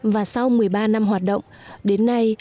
và sau một mươi ba năm hoạt động đến nay